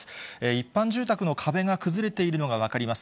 一般住宅の壁が崩れているのが分かります。